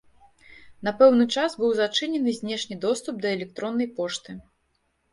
На пэўны час быў зачынены знешні доступ да электроннай пошты.